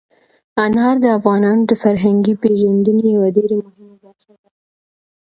انار د افغانانو د فرهنګي پیژندنې یوه ډېره مهمه برخه ده.